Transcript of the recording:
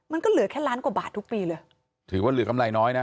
มันก็เหลือแค่ล้านกว่าบาททุกปีเลยถือว่าเหลือกำไรน้อยนะ